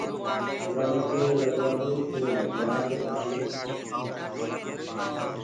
اُرآ مي ڪيڻ لگوآدو ئي ڪيڻ لگوآڪي پڇي